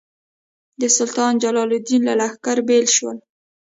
د سلطان جلال الدین له لښکرو بېل شول.